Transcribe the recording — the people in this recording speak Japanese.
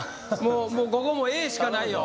もうここもＡしかないよ